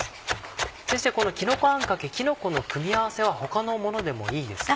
先生このきのこあんかけきのこの組み合わせは他のものでもいいですか？